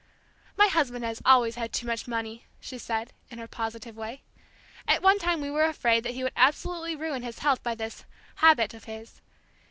"My husband has always had too much money," she said, in her positive way. "At one time we were afraid that he would absolutely ruin his health by this habit of his.